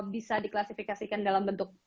bisa diklasifikasikan dalam bentuk